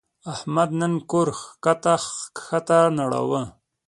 احمد نن کور خښته خښته نړاوه.